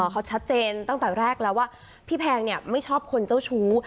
เขาชัดเจนตั้งแต่แรกแล้วว่าพี่แพงไม่ชอบคนเจ้าชู้